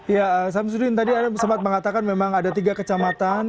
ya samsuddin tadi anda sempat mengatakan memang ada tiga kecamatan